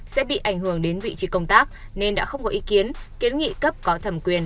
sẽ bị ảnh hưởng đến vị trí công tác nên đã không có ý kiến kiến nghị cấp có thẩm quyền